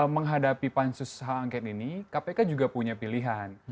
menghadapi pansus hak angket ini kpk juga punya pilihan